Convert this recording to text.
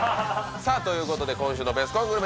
さあということで今週のベスコングルメ